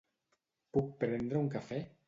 Puc prendre un cafè?